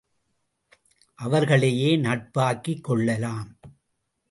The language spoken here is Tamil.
அவர்களையே நட்பாக்கிக் கொள்ளலாம்.